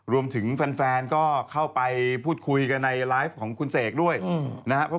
รวมถึงแฟนก็เข้าไปพูดคุยกันในไลฟ์ของคุณเสกด้วยนะครับ